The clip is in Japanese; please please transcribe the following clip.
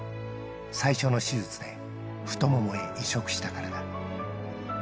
最初の手術で太ももへ移植したからだ。